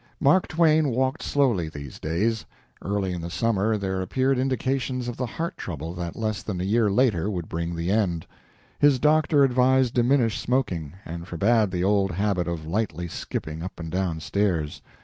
Mark Twain walked slowly these days. Early in the summer there appeared indications of the heart trouble that less than a year later would bring the end. His doctor advised diminished smoking, and forbade the old habit of lightly skipping up and down stairs.